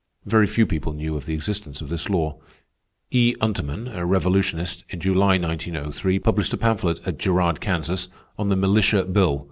Very few people knew of the existence of this law. E. Untermann, a revolutionist, in July, 1903, published a pamphlet at Girard, Kansas, on the "Militia Bill."